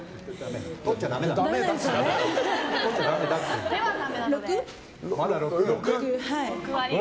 取っちゃだめです。